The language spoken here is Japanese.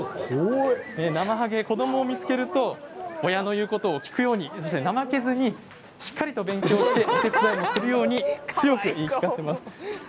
なまはげは子どもを見つけると親の言うこと聞くように怠けずにしっかり勉強するように強く言い聞かせます。